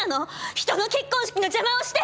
人の結婚式の邪魔をして！